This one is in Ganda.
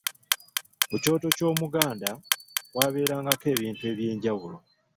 Ku kyoto ky'Omuganda, kwabeerangako ebintu eby'enjawulo.